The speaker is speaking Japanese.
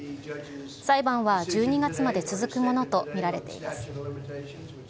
裁判は１２月まで続くものと見られています。